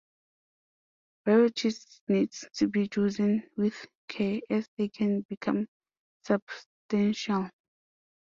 Varieties need to be chosen with care, as they can become substantial.